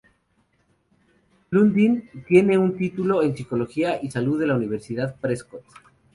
Lundin tiene un título en Psicología y Salud de la universidad Prescott.